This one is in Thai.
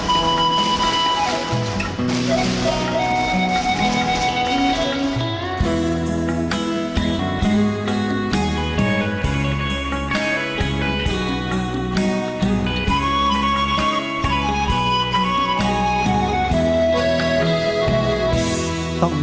ที่๖เพลง